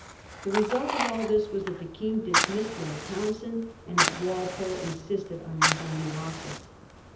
The result of all this was that the King dismissed Lord Townshend, and that Walpole insisted on resigning office.